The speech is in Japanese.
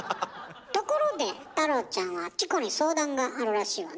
ところで太郎ちゃんはチコに相談があるらしいわね。